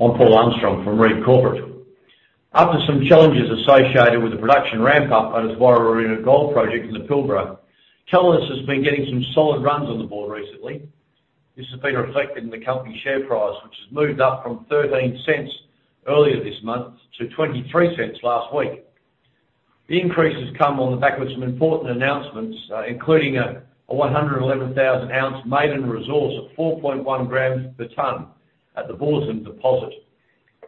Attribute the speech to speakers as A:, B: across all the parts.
A: I'm Paul Armstrong from Read Corporate. After some challenges associated with the production ramp-up at its Warrawoona Gold Project in the Pilbara, Calidus has been getting some solid runs on the board recently. This has been reflected in the company share price, which has moved up from 0.13 earlier this month to 0.23 last week. The increase has come on the back of some important announcements, including a 111,000-ounce maiden resource of 4.1 grams per tonne at the Bulletin deposit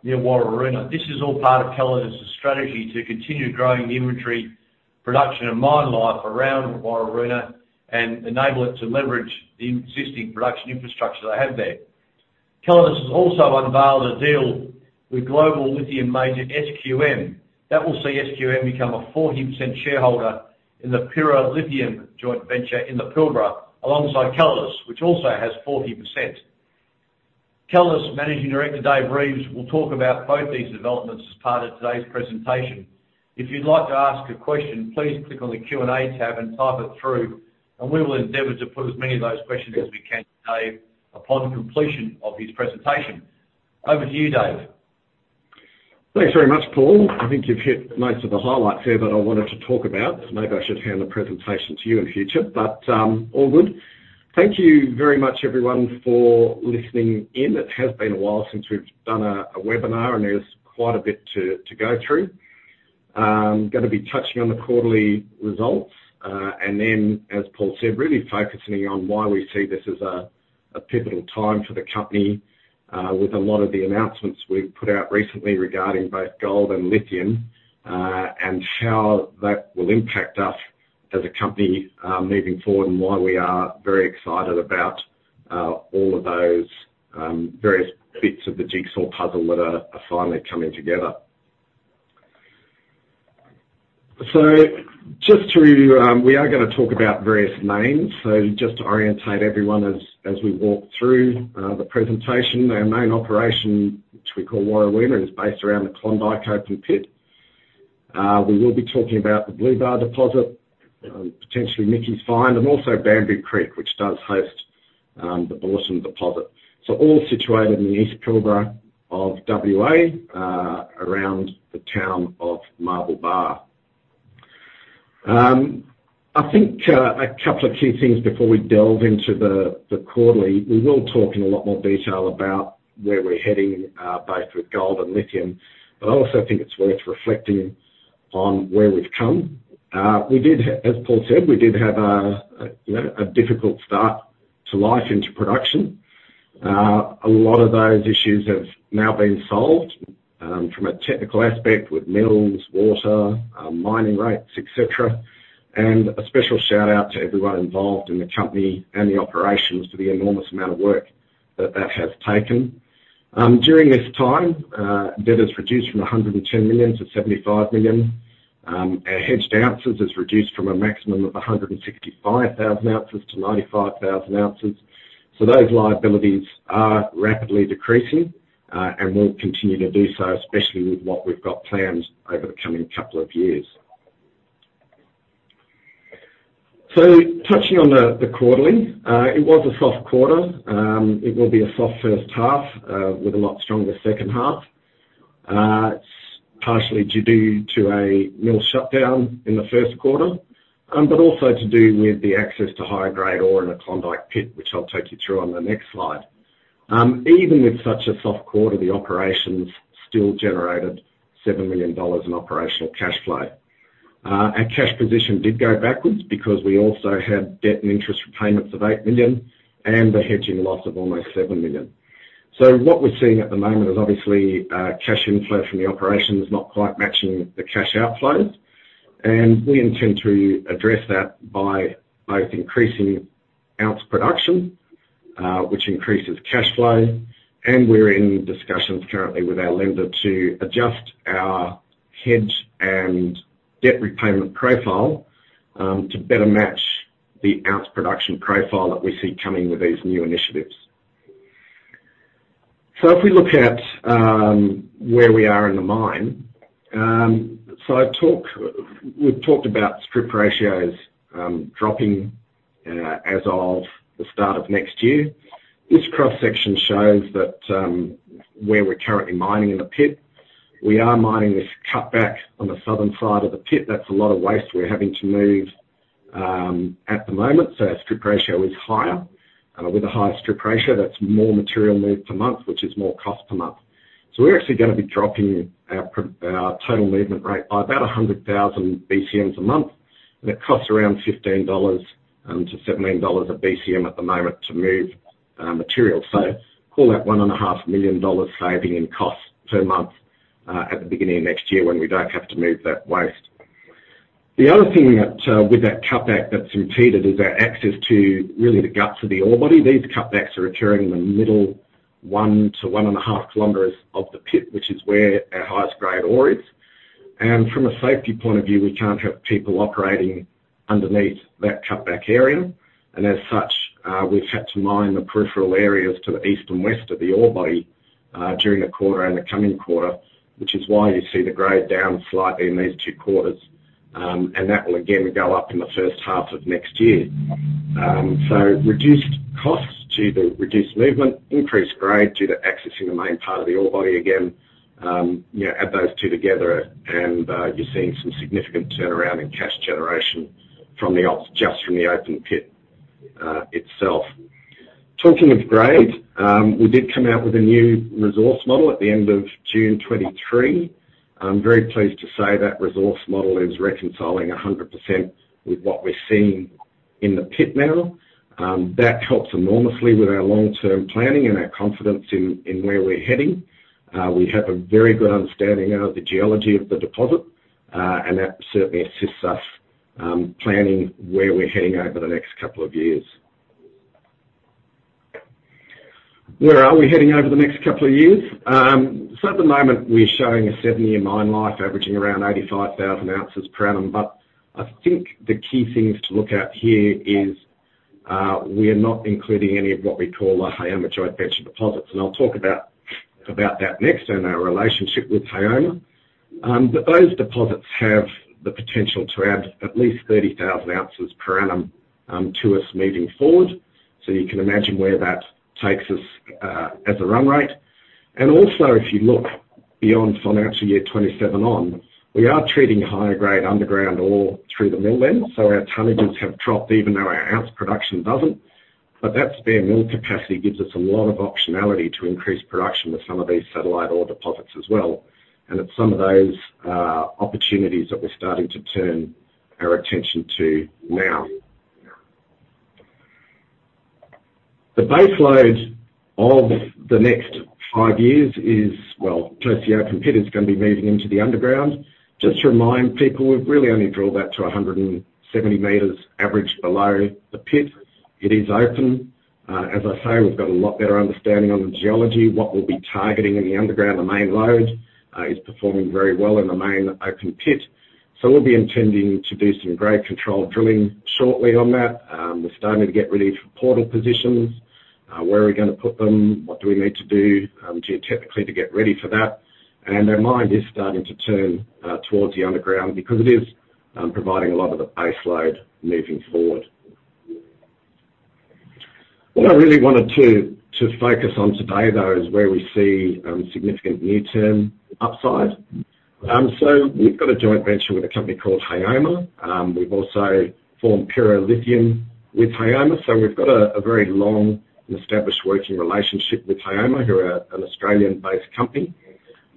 A: near Warrawoona. This is all part of Calidus's strategy to continue growing the inventory, production, and mine life around Warrawoona, and enable it to leverage the existing production infrastructure they have there. Calidus has also unveiled a deal with global lithium major SQM. That will see SQM become a 40% shareholder in the Pirra Lithium joint venture in the Pilbara, alongside Calidus, which also has 40%. Calidus Managing Director, Dave Reeves, will talk about both these developments as part of today's presentation. If you'd like to ask a question, please click on the Q&A tab and type it through, and we will endeavor to put as many of those questions as we can to Dave upon completion of his presentation. Over to you, Dave.
B: Thanks very much, Paul. I think you've hit most of the highlights there that I wanted to talk about. Maybe I should hand the presentation to you in future, but, all good. Thank you very much, everyone, for listening in. It has been a while since we've done a webinar, and there's quite a bit to go through. Gonna be touching on the quarterly results, and then, as Paul said, really focusing on why we see this as a pivotal time for the company, with a lot of the announcements we've put out recently regarding both gold and lithium, and how that will impact us as a company, moving forward, and why we are very excited about, all of those, various bits of the jigsaw puzzle that are finally coming together. So just to... We are gonna talk about various names. So just to orientate everyone as we walk through the presentation, our main operation, which we call Warrawoona, is based around the Klondyke open pit. We will be talking about the Blue Bar deposit, potentially Mickey's Find, and also Bamboo Creek, which does host the Bulletin deposit. So all situated in the East Pilbara of WA, around the town of Marble Bar. I think a couple of key things before we delve into the quarterly. We will talk in a lot more detail about where we're heading, both with gold and lithium. But I also think it's worth reflecting on where we've come. We did as Paul said, we did have a, you know, a difficult start to life into production. A lot of those issues have now been solved, from a technical aspect, with mills, water, mining rates, et cetera. A special shout-out to everyone involved in the company and the operations for the enormous amount of work that that has taken. During this time, debt is reduced from 110 million to 75 million. Our hedged ounces is reduced from a maximum of 165,000 ounces to 95,000 ounces. Those liabilities are rapidly decreasing, and will continue to do so, especially with what we've got planned over the coming couple of years. Touching on the quarterly, it was a soft quarter. It will be a soft first half, with a lot stronger second half. It's partially due to a mill shutdown in the first quarter, but also to do with the access to higher-grade ore in the Klondyke pit, which I'll take you through on the next slide. Even with such a soft quarter, the operations still generated 7 million dollars in operational cash flow. Our cash position did go backwards because we also had debt and interest repayments of 8 million, and a hedging loss of almost 7 million. So what we're seeing at the moment is obviously cash inflow from the operations not quite matching the cash outflows, and we intend to address that by both increasing ounce production, which increases cash flow, and we're in discussions currently with our lender to adjust our hedge and debt repayment profile, to better match the ounce production profile that we see coming with these new initiatives. So if we look at where we are in the mine, so we've talked about strip ratios dropping as of the start of next year. This cross-section shows that where we're currently mining in the pit, we are mining this cutback on the southern side of the pit. That's a lot of waste we're having to move at the moment, so our strip ratio is higher. With a higher strip ratio, that's more material moved per month, which is more cost per month. So we're actually gonna be dropping our total movement rate by about 100,000 BCMs a month, and it costs around 15-17 dollars a BCM at the moment to move material. So call that 1.5 million dollars saving in costs per month, at the beginning of next year when we don't have to move that waste. The other thing that, with that cutback that's impacted is our access to really the guts of the ore body. These cutbacks are occurring in the middle 1-1.5 km of the pit, which is where our highest grade ore is. And from a safety point of view, we can't have people operating underneath that cutback area, and as such, we've had to mine the peripheral areas to the East and West of the ore body, during the quarter and the coming quarter, which is why you see the grade down slightly in these two quarters, and that will again go up in the first half of next year. So reduced costs due to reduced movement, increased grade due to accessing the main part of the ore body again. You know, add those two together, and you're seeing some significant turnaround in cash generation from the ops, just from the open pit itself. Talking of grade, we did come out with a new resource model at the end of June 2023. I'm very pleased to say that resource model is reconciling 100% with what we're seeing in the pit now. That helps enormously with our long-term planning and our confidence in where we're heading. We have a very good understanding of the geology of the deposit, and that certainly assists us planning where we're heading over the next couple of years. Where are we heading over the next couple of years? So at the moment, we're showing a seven-year mine life, averaging around 85,000 ounces per annum, but I think the key things to look at here is, we are not including any of what we call a Haoma joint venture deposits, and I'll talk about that next, and our relationship with Haoma. But those deposits have the potential to add at least 30,000 ounces per annum, to us moving forward. So you can imagine where that takes us, as a run rate. And also, if you look beyond financial year 2027 on, we are treating higher grade underground ore through the mill then, so our tonnages have dropped, even though our ounce production doesn't. But that spare mill capacity gives us a lot of optionality to increase production with some of these satellite ore deposits as well. It's some of those opportunities that we're starting to turn our attention to now. The baseload of the next five years is well, just the open pit is gonna be moving into the underground. Just to remind people, we've really only drilled that to 170 m average below the pit. It is open. As I say, we've got a lot better understanding on the geology, what we'll be targeting in the underground. The main load is performing very well in the main open pit, so we'll be intending to do some grade control drilling shortly on that. We're starting to get ready for portal positions, where are we gonna put them? What do we need to do geotechnically to get ready for that? Our mind is starting to turn towards the underground because it is providing a lot of the baseload moving forward. What I really wanted to focus on today, though, is where we see significant near-term upside. So we've got a joint venture with a company called Haoma. We've also formed Pirra Lithium with Haoma, so we've got a very long and established working relationship with Haoma, who are an Australian-based company.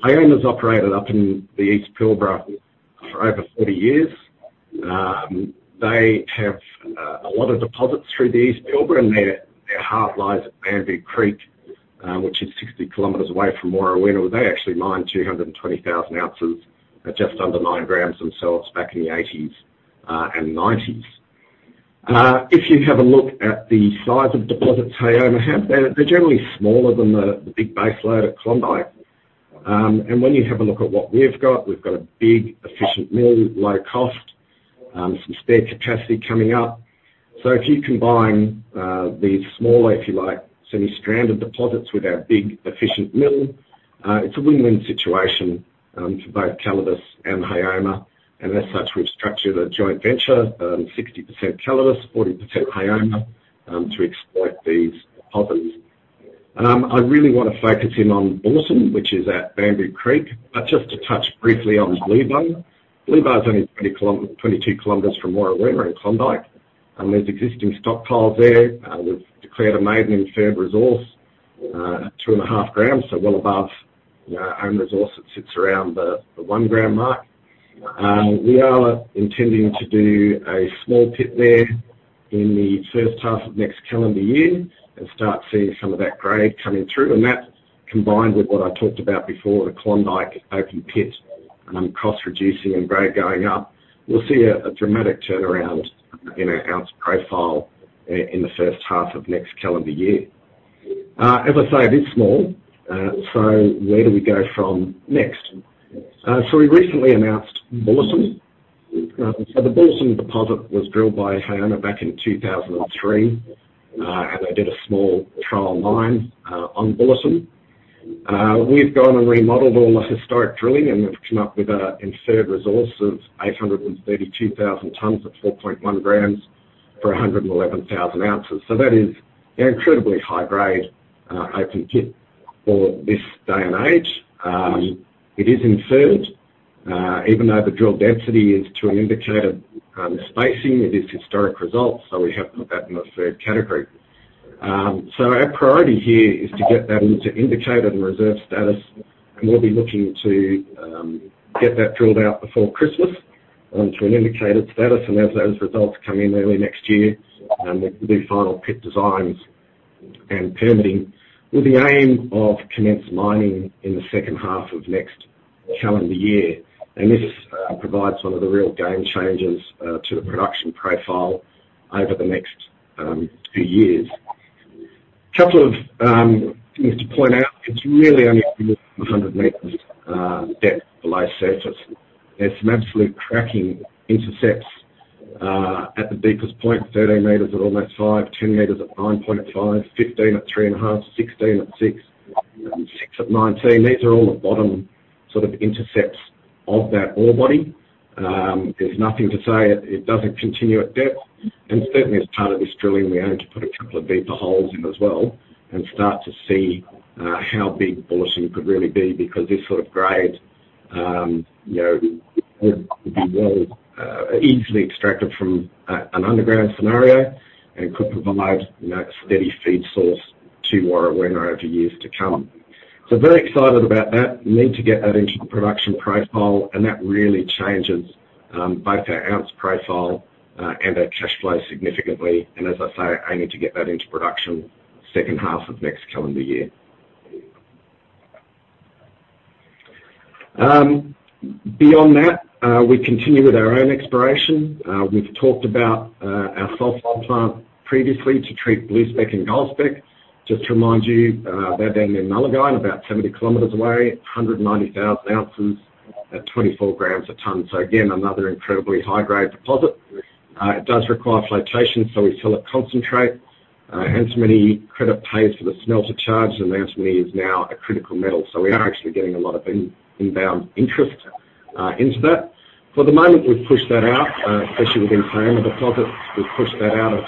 B: Haoma has operated up in the East Pilbara for over 40 years. They have a lot of deposits through the East Pilbara, and their heart lies at Bamboo Creek, which is 60 km away from Warrawoona, where they actually mined 220,000 ounces at just under 9 g themselves back in the 1980s and 1990s. If you have a look at the size of deposits Haoma have, they're generally smaller than the big baseload at Klondyke. And when you have a look at what we've got, we've got a big, efficient mill, low cost, some spare capacity coming up. So if you combine these smaller, if you like, semi-stranded deposits with our big, efficient mill, it's a win-win situation for both Calidus and Haoma. And as such, we've structured a joint venture, 60% Calidus, 40% Haoma, to exploit these deposits. And I really want to focus in on Bulletin, which is at Bamboo Creek. But just to touch briefly on Blue Bar. Blue Bar is only 20-22 km from Warrawoona and Klondyke, and there's existing stockpiles there. We've declared a maiden inferred resource at 2.5 g, so well above our own resource that sits around the 1 g mark. We are intending to do a small pit there in the first half of next calendar year and start seeing some of that grade coming through. And that, combined with what I talked about before, the Klondyke open pit, cost reducing and grade going up, we'll see a dramatic turnaround in our ounce profile in the first half of next calendar year. As I say, it is small, so where do we go from next? We recently announced Bulletin. The Bulletin deposit was drilled by Haoma back in 2003, and they did a small trial mine on Bulletin. We've gone and remodeled all the historic drilling, and we've come up with an Inferred Resource of 832,000 tons at 4.1 g for 111,000 ounces. So that is an incredibly high grade open pit for this day and age. It is inferred, even though the drill density is to an Indicated spacing, it is historic results, so we have put that in the third category. So our priority here is to get that into Indicated and Reserve status, and we'll be looking to get that drilled out before Christmas onto an Indicated status. And as those results come in early next year, we'll do final pit designs and permitting with the aim of commence mining in the second half of next calendar year. This provides one of the real game changers to the production profile over the next few years. Couple of things to point out, it's really only 100 m depth below surface. There's some absolute cracking intercepts at the deepest point, 13 m at almost 5, 10 m at 9.5, 15 at 3.5, 16 at 6... at 19, these are all the bottom sort of intercepts of that ore body. There's nothing to say it doesn't continue at depth, and certainly as part of this drilling, we want to put a couple of deeper holes in as well, and start to see how big Bulletin could really be. Because this sort of grade, you know, would be well, easily extracted from, an underground scenario and could provide, you know, a steady feed source to Warrawoona over years to come. So very excited about that. Need to get that into the production profile, and that really changes, both our ounce profile, and our cash flow significantly. And as I say, aiming to get that into production second half of next calendar year. Beyond that, we continue with our own exploration. We've talked about, our sulfide plant previously to treat Blue Spec and Gold Spec. Just to remind you, they're down near Nullagine, about 70 km away, 190,000 ounces at 24 grams a ton. So again, another incredibly high-grade deposit. It does require flotation, so we sell it concentrate. Antimony credit pays for the smelter charges, and antimony is now a critical metal. So we are actually getting a lot of inbound interest into that. For the moment, we've pushed that out, especially within Pilbara deposit. We've pushed that out of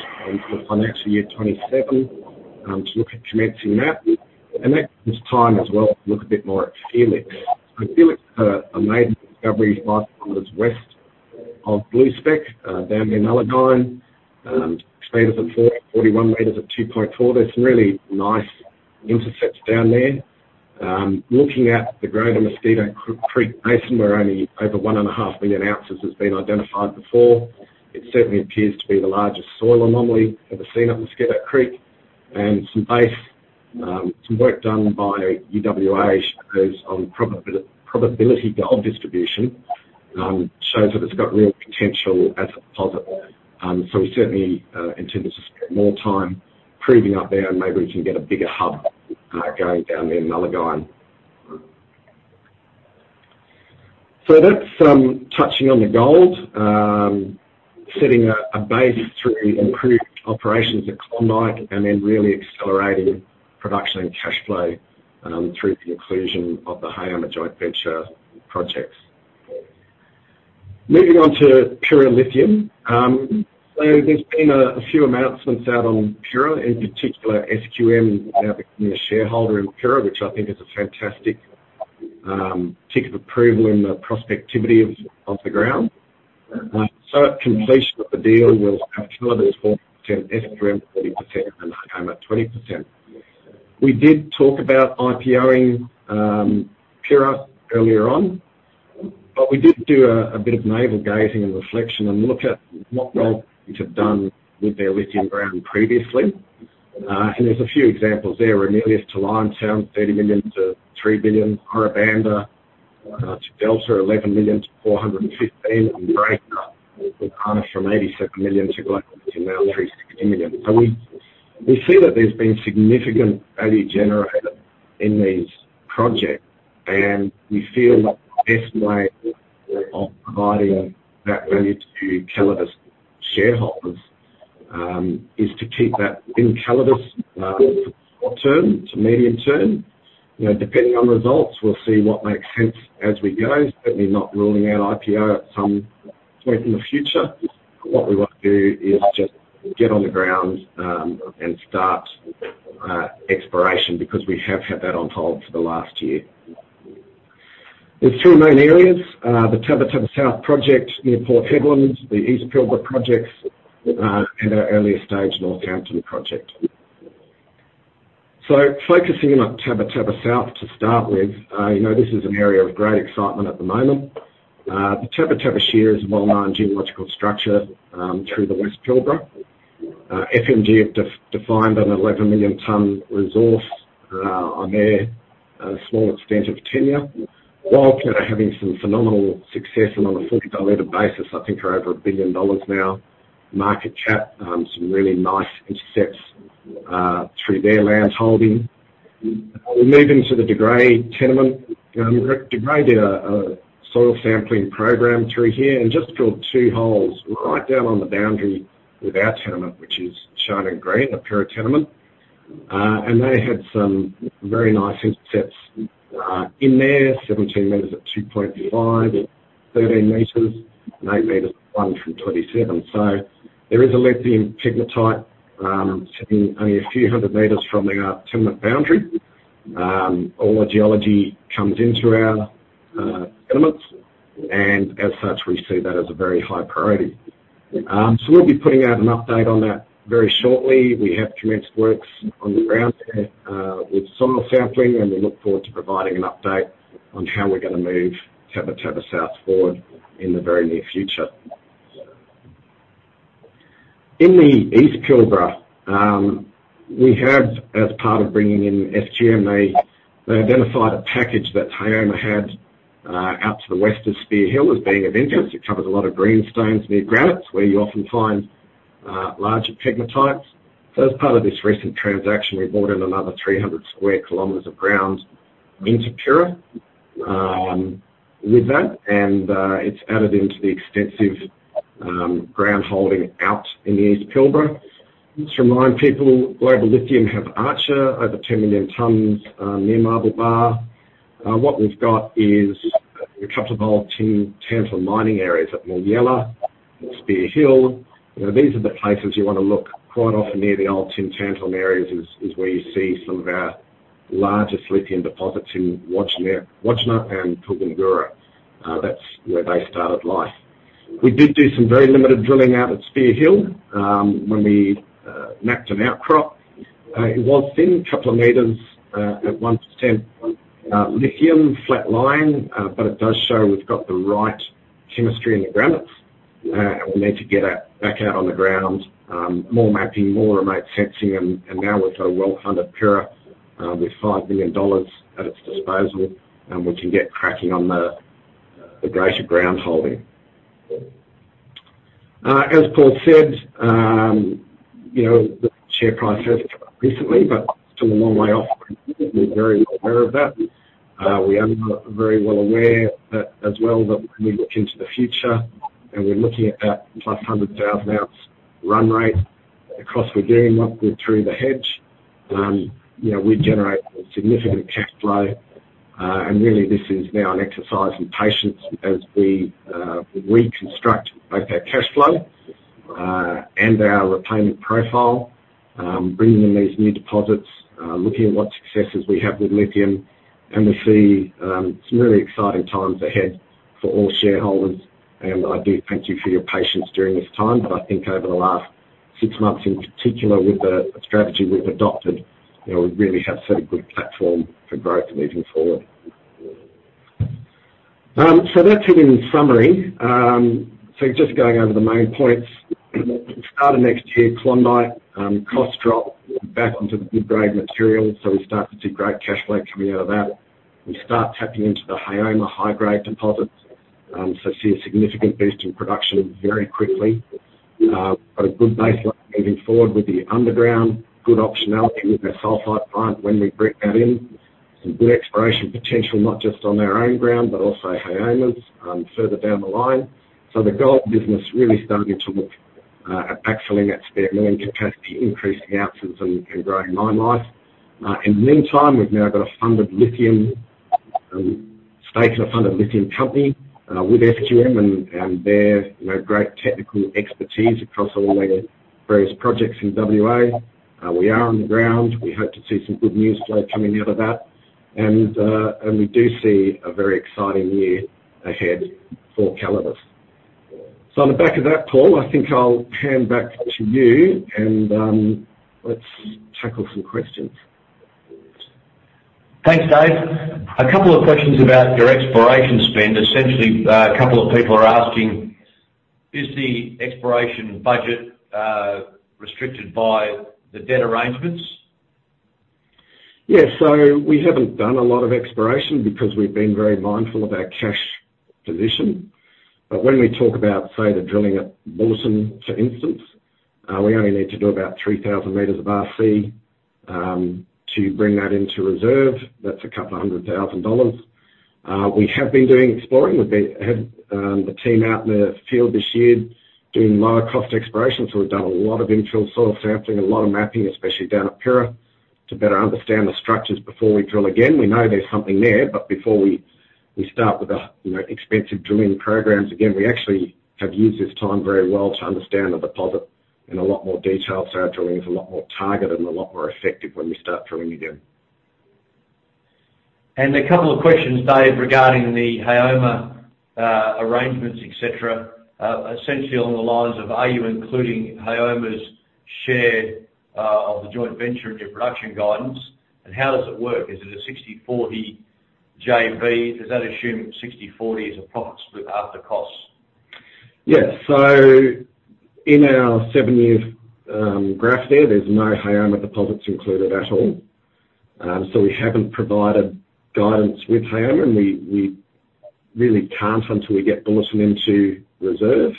B: financial year 2027 to look at commencing that. And that gives time as well to look a bit more at Felix. So Felix made discoveries 5 km West of Blue Spec down near Nullagine. 6 m of 4, 41 m of 2.4. There's some really nice intercepts down there. Looking at the greater Mosquito Creek Basin, where only over 1.5 million ounces has been identified before, it certainly appears to be the largest soil anomaly ever seen at Mosquito Creek. And some base, some work done by UWA on probability gold distribution shows that it's got real potential as a deposit. So we certainly intend to spend more time proving up there, and maybe we can get a bigger hub going down there in Nullagine. So that's touching on the gold. Setting a base through improved operations at Klondyke, and then really accelerating production and cash flow through the inclusion of the Haoma Joint Venture projects. Moving on to Pirra Lithium. So there's been a few announcements out on Pirra, in particular, SQM now becoming a shareholder in Pirra, which I think is a fantastic tick of approval in the prospectivity of the ground. So at completion of the deal, we'll have Calidus 40%, SQM 40%, and Haoma 20%. We did talk about IPO-ing Pirra earlier on, but we did do a bit of navel gazing and reflection and look at what we have done with their lithium ground previously. And there's a few examples there. Ramelius to Liontown, 30 million-3 billion. Ora Banda to Delta, 11 million-415 million. And Breaker, with Ramelius from 87 million to now 360 million. So we see that there's been significant value generated in these projects, and we feel that the best way of providing that value to Calidus shareholders is to keep that in Calidus, short-term to medium-term. You know, depending on the results, we'll see what makes sense as we go. Certainly not ruling out IPO at some point in the future. What we want to do is just get on the ground and start exploration, because we have had that on hold for the last year. There's two main areas, the Tabba Tabba South project near Port Hedland, the East Pilbara projects, at our earliest stage, Northampton project. So focusing on Tabba Tabba South to start with, you know, this is an area of great excitement at the moment. The Tabba Tabba Shear is a well-known geological structure through the West Pilbara. FMG have defined an 11 million ton resource on there, a small extent of tenure. While they're having some phenomenal success and on a AUD 40 basis, I think are over 1 billion dollars now, market cap, some really nice intercepts through their landholding. We're moving to the De Grey tenement. De Grey did a soil sampling program through here and just drilled two holes right down on the boundary with our tenement, which is shown in green, the Pirra tenement. They had some very nice intercepts in there, 17 m at 2.5, 13 m, and 8 m, 1 from 27. So there is a lithium pegmatite sitting only a few hundred meters from our tenement boundary. All the geology comes into our tenements, and as such, we see that as a very high priority. We'll be putting out an update on that very shortly. We have commenced works on the ground there with soil sampling, and we look forward to providing an update on how we're gonna move Tabba Tabba South forward in the very near future. In the East Pilbara, we have, as part of bringing in SQM, they identified a package that Haoma had out to the west of Spear Hill, as being of interest. It covers a lot of green stones near granites, where you often find larger pegmatites. So as part of this recent transaction, we brought in another 300 sq km of ground into Pirra, with that, and it's added into the extensive ground holding out in the East Pilbara. Just to remind people, Global Lithium have Archer over 10 million tons near Marble Bar. What we've got is a couple of old tin, tantalum mining areas at Moolyella and Spear Hill. You know, these are the places you want to look. Quite often near the old tin, tantalum areas is where you see some of our largest lithium deposits in Wodgina and Pilgangoora. That's where they started life. We did do some very limited drilling out at Spear Hill when we mapped an outcrop. It was thin, a couple of meters at 1% lithium flat line, but it does show we've got the right chemistry in the ground. And we need to get out, back out on the ground, more mapping, more remote sensing, and now with a well-funded Pirra with 5 billion dollars at its disposal, we can get cracking on the greater ground holding. As Paul said, you know, the share price has recently, but still a long way off. We're very well aware of that. We are very well aware that as well, that when we look into the future and we're looking at that +100,000 ounce run rate across Wodgina through the hedge, you know, we generate significant cash flow. And really, this is now an exercise in patience as we reconstruct both our cash flow and our repayment profile, bringing in these new deposits, looking at what successes we have with lithium, and we see some really exciting times ahead for all shareholders. And I do thank you for your patience during this time, but I think over the last six months, in particular, with the strategy we've adopted, you know, we really have set a good platform for growth moving forward. So that's it in summary. So just going over the main points. Start of next year, Klondyke, costs drop back onto the good grade material, so we start to see great cash flow coming out of that. We start tapping into the Haoma high-grade deposits, so see a significant boost in production very quickly. Got a good baseline moving forward with the underground, good optionality with our sulfide plant when we break that in. Some good exploration potential, not just on our own ground, but also Haoma's, further down the line. So the gold business really starting to look, actually at scale, million capacity, increasing ounces and, and growing mine life. In the meantime, we've now got a funded lithium, stage of a funded lithium company, with SQM and, and their, you know, great technical expertise across all their various projects in WA. We are on the ground. We hope to see some good news flow coming out of that, and we do see a very exciting year ahead for Calidus. So on the back of that, Paul, I think I'll hand back to you and let's tackle some questions.
A: Thanks, Dave. A couple of questions about your exploration spend. Essentially, a couple of people are asking, is the exploration budget restricted by the debt arrangements?
B: Yeah, so we haven't done a lot of exploration because we've been very mindful of our cash position. But when we talk about, say, the drilling at Bulletin, for instance, we only need to do about 3,000 m of RC to bring that into reserve. That's 200,000 dollars. We have been doing exploring. We've had the team out in the field this year doing lower-cost exploration, so we've done a lot of infill soil sampling, a lot of mapping, especially down at Pilbara, to better understand the structures before we drill again. We know there's something there, but before we start with the, you know, expensive drilling programs, again, we actually have used this time very well to understand the deposit in a lot more detail, so our drilling is a lot more targeted and a lot more effective when we start drilling again.
A: A couple of questions, Dave, regarding the Haoma arrangements, etc. Essentially along the lines of, are you including Haoma's share of the joint venture in your production guidance, and how does it work? Is it a 60/40 JV? Does that assume 60/40 as a profit split after costs?
B: Yes. So in our seven-year graph there, there's no Haoma deposits included at all. So we haven't provided guidance with Haoma, and we really can't until we get Bulletin into reserve.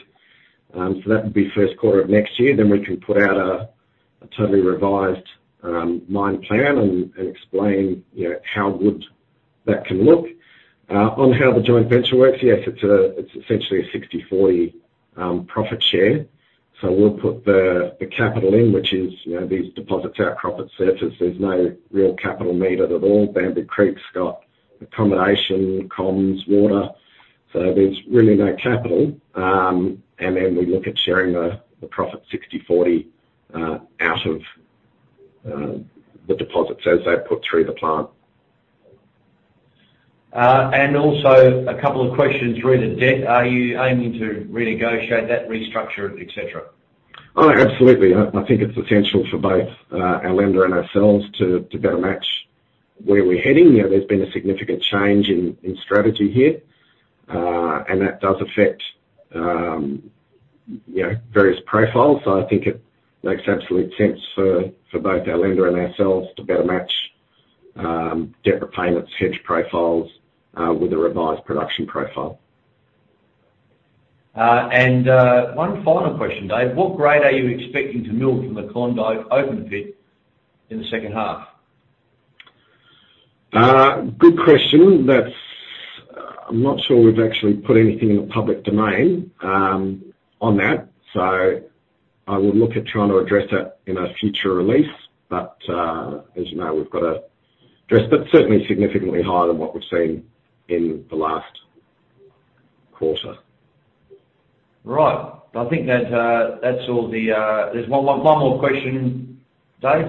B: So that would be first quarter of next year. Then we can put out a totally revised mine plan and explain, you know, how good that can look. On how the joint venture works, yes, it's essentially a 60/40 profit share. So we'll put the capital in, which is, you know, these deposits outcrop at surface. There's no real capital needed at all. Bamboo Creek's got accommodation, comms, water, so there's really no capital. And then we look at sharing the profit 60/40 out of the deposits as they're put through the plant.
A: And also a couple of questions re the debt. Are you aiming to renegotiate that, restructure it, et cetera?
B: Oh, absolutely. I think it's essential for both our lender and ourselves to better match where we're heading. You know, there's been a significant change in strategy here, and that does affect you know, various profiles. So I think it makes absolute sense for both our lender and ourselves to better match debt repayments, hedge profiles, with a revised production profile.
A: One final question, Dave. What grade are you expecting to mill from the Klondyke open pit in the second half?
B: Good question. That's... I'm not sure we've actually put anything in the public domain, on that, so I would look at trying to address that in a future release. But, as you know, we've got to address, but certainly significantly higher than what we've seen in the last quarter.
A: Right. I think that's all. There's one more question, Dave.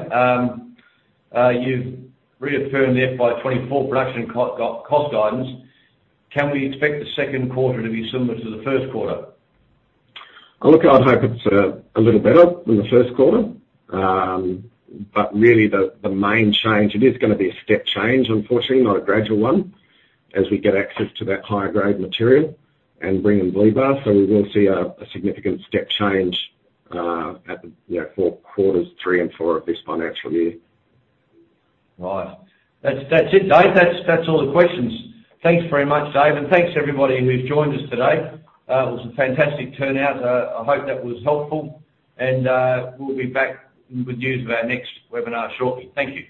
A: You've reaffirmed the FY 2024 production cost guidance. Can we expect the second quarter to be similar to the first quarter?
B: Look, I'd hope it's a little better than the first quarter. But really, the main change, it is gonna be a step change, unfortunately, not a gradual one, as we get access to that higher-grade material and bring in Blue Bar. So we will see a significant step change, at, you know, for quarters three and four of this financial year.
A: Right. That's, that's it, Dave. That's, that's all the questions. Thanks very much, Dave, and thanks to everybody who's joined us today. It was a fantastic turnout. I hope that was helpful, and we'll be back with news of our next webinar shortly. Thank you.